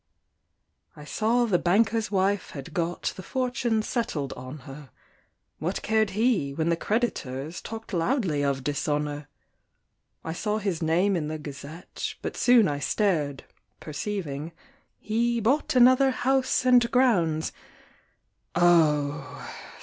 I saw the banker's wife had got The fortune settled on her; What cared he, when the creditors Talked loudly of dishonour! I saw his name in the Gazette, But soon I stared, perceiving, He bought another house and grounds: Oh!